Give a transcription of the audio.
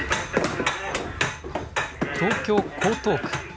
東京江東区。